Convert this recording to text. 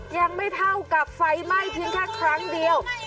ยังไม่เท่ากับไฟไหม้เพียงแค่ครั้งเดียว